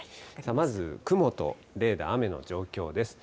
まず雲とレーダー、雨の状況です。